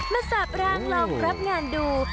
มาสอบรางลองรับงานดู